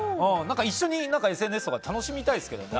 一緒にＳＮＳとか楽しみたいですけどね。